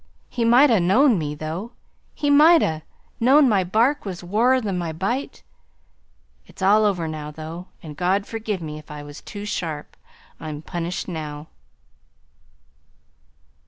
He might ha' known me, though. He might ha' known my bark was waur than my bite. It's all over now, though; and God forgive me if I was too sharp. I'm punished now."